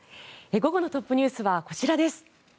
午後のトップニュースはこちら。